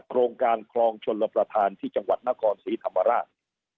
โครงการคลองชนลประธานที่จังหวัดนครศรีธรรมราช